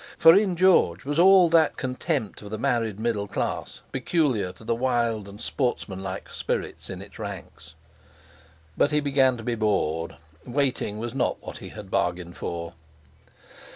For in George was all that contempt of the middle class—especially of the married middle class—peculiar to the wild and sportsmanlike spirits in its ranks. But he began to be bored. Waiting was not what he had bargained for.